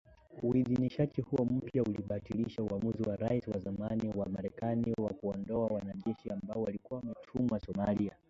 Uidhinishaji huo mpya unabatilisha uamuzi wa Rais wa zamani wa Marekani wa kuwaondoa wanajeshi ambao walikuwa wametumwa Somalia